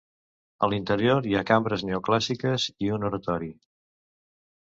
A l'interior hi ha cambres neoclàssiques i un oratori.